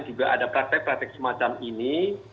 juga ada praktek praktek semacam ini